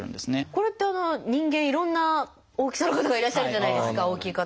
これって人間いろんな大きさの方がいらっしゃるじゃないですか大きい方。